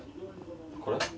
これ？